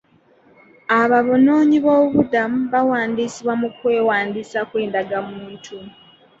Abanoonyiboobubudamu baawandisiibwa mu kwewandiisa kw'endagamuntu.